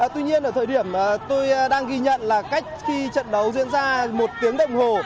tuy nhiên ở thời điểm tôi đang ghi nhận là cách khi trận đấu diễn ra một tiếng đồng hồ